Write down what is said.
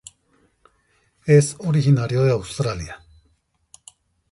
Es originario de Australia